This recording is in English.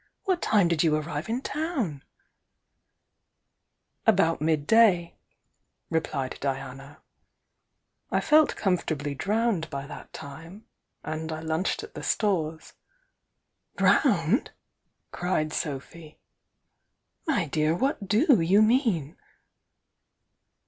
What time did you arrive m town?" "About midd^," replied Diana. "I felt comfort ^ly drowned by Uiat time, — and I lunched at the Stores " THE YOUNG DIANA 77 "Drowned!" cried Sophy. "My dew, wkat do you mcian?"